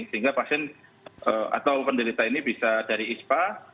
sehingga pasien atau penderita ini bisa dari ispa